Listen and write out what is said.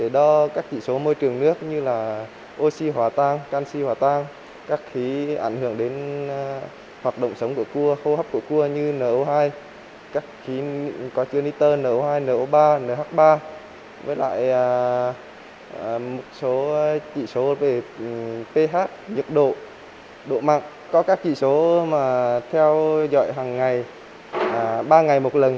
điều rất quan trọng